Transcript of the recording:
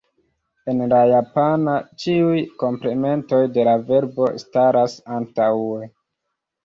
En la japana ĉiuj komplementoj de la verbo staras antaŭe.